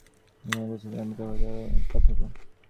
এখানে খ্রীষ্টানদের মত হইতে উহার পার্থক্য।